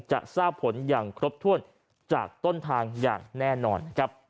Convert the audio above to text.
จะทราบผลอย่างครบถ้วนจากต้นทางอย่างแน่นอน